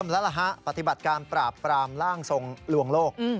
แล้วล่ะฮะปฏิบัติการปราบปรามร่างทรงลวงโลก